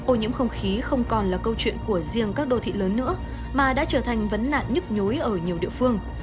ô nhiễm không khí không còn là câu chuyện của riêng các đô thị lớn nữa mà đã trở thành vấn nạn nhức nhối ở nhiều địa phương